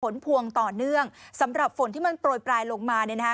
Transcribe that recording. พวงต่อเนื่องสำหรับฝนที่มันโปรยปลายลงมาเนี่ยนะคะ